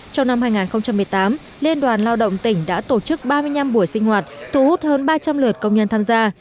trong năm hai nghìn một mươi tám liên đoàn lao động tỉnh đã tổ chức ba mươi năm buổi sinh hoạt thu hút hơn ba trăm linh lượt công nhân tham gia